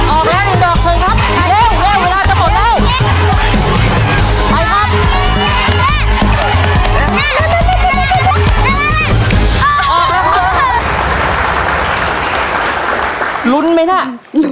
ออกแล้วดินดอกเถิดครับเร็วเร็วเวลาจะหมดแล้ว